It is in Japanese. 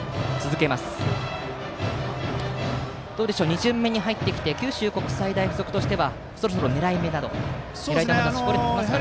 ２巡目に入ってきて九州国際大付属としてはそろそろ狙い目など狙い球は絞れてきますかね。